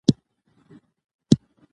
زه هره ورځ د فشار کمولو تمرین کوم.